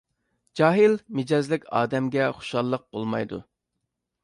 جاھىل مىجەزلىك ئادەمگە خۇشاللىق بولمايدۇ.